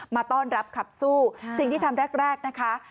มาต้อนรับขับสู้สิ่งที่ทำแรกแรกนะคะ